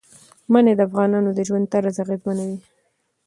منی د افغانانو د ژوند طرز اغېزمنوي.